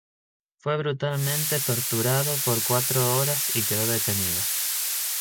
Fue brutalmente torturado por cuatro horas y quedó detenido.